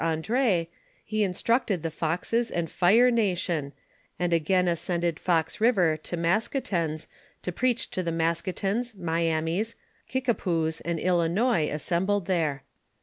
Andr6, he instructed the Foxes and Fire nation, and again ascended Fox Kiver to Maskoutens to preach to the Maskoutens, Miamis, Kikapoos, and Ilinois, assembled there.